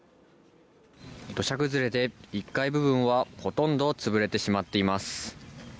土砂崩れで１階部分はほとんど潰れてしまっています。